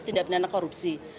tindak pidana korupsi